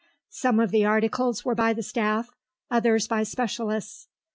Some of these articles were by the staff, others by specialists.